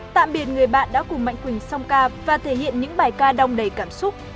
tạm biệt người bạn đã cùng mạnh quỳnh song ca và thể hiện những bài ca đong đầy cảm xúc